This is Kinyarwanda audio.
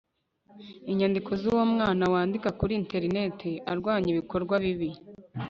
inyandiko z'uwo mwana wandika kuri interineti arwanya ibikorwa bibi